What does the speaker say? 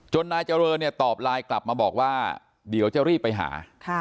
นายเจริญเนี่ยตอบไลน์กลับมาบอกว่าเดี๋ยวจะรีบไปหา